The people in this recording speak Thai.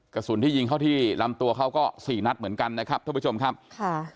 กระสุนที่ยิงเข้าที่ลำตัวเขาก็สี่นัดเหมือนกันนะครับท่านผู้ชมครับค่ะ